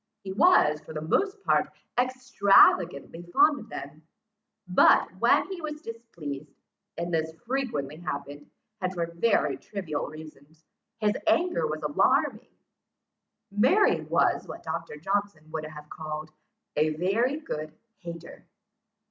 He was for the most part extravagantly fond of them; but, when he was displeased, and this frequently happened, and for very trivial reasons, his anger was alarming. Mary was what Dr. Johnson would have called, "a very good hater."